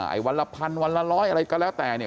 ไอ้วันละพันวันละร้อยอะไรก็แล้วแต่เนี่ย